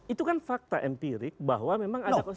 itu kan fakta empirik bahwa memang ada